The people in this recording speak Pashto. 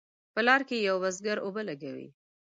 په لار کې یو بزګر اوبه لګوي.